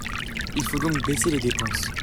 Il faut donc baisser les dépenses.